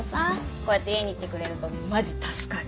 こうやって家に来てくれるとマジ助かる。